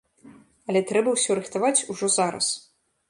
Але трэба ўсё рыхтаваць ужо зараз.